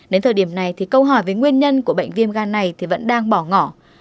đến thời điểm này thì câu hỏi về nguyên nhân của bệnh viêm gan này vẫn đang bỏ ngỏ